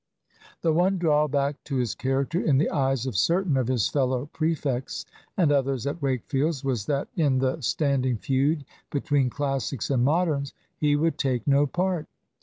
The one drawback to his character in the eyes of certain of his fellow prefects and others at Wakefield's was that in the standing feud between Classics and Moderns he would take no part.